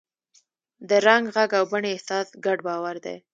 د رنګ، غږ او بڼې احساس ګډ باور دی.